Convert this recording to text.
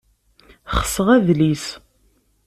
Xseɣ adlis